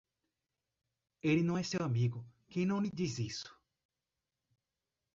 Ele não é seu amigo, quem não lhe diz isso.